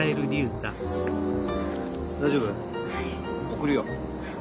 送るよ。